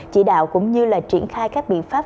chỉ đạo cũng như triển khai các biện pháp